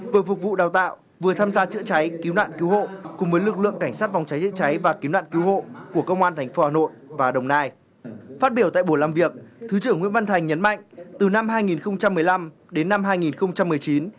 vừa phục vụ đào tạo vừa tham gia chữa cháy cứu nạn cứu hộ cùng với lực lượng cảnh sát phòng cháy chữa cháy và cứu nạn cứu hộ của công an thành phố hà nội và đồng nai